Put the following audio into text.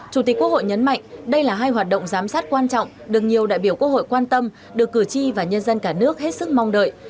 chủ tịch quốc hội nhấn mạnh đây là hai hoạt động giám sát quan trọng được nhiều đại biểu quốc hội quan tâm được cử tri và nhân dân cả nước hết sức mong đợi